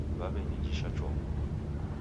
W'aw'enijisha chongo